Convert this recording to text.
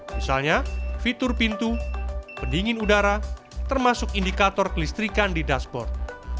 misalnya fitur pintu pendingin udara termasuk indikator kelistrikan di dashboard